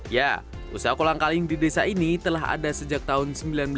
ya usaha kolang kaling di desa ini telah ada sejak tahun seribu sembilan ratus sembilan puluh